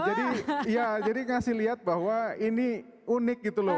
jadi iya jadi ngasih lihat bahwa ini unik gitu loh